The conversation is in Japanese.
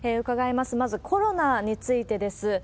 まずコロナについてです。